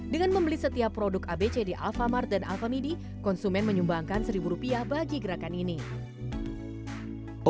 dengan membeli setiap produk abc di alfamart dan alfamidi konsumen menyumbangkan seribu rupiah bagi gerakan ini